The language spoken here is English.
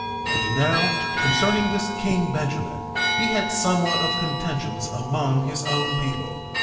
1:12 And now, concerning this king Benjamin—he had somewhat of contentions among his own people.